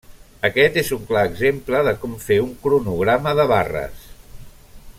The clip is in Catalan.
Aquest és un clar exemple de com fer un cronograma de barres.